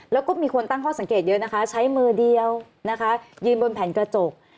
แล้วก็มีคนตั้งข้อสังเกตเยอะนะคะใช้มือเดียวนะคะยืนบนแผ่นกระจก